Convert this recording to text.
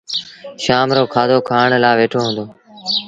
شآم رو کآڌو کآڻ لآ ويٺو هُݩدو